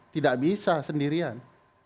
tidak bisa sendirian